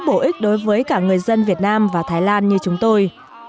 rất là hữu ích đối với cả người dân việt nam và thái lan như chúng tôi